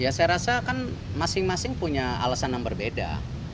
ya saya rasa kan masing masing punya alasan yang berbeda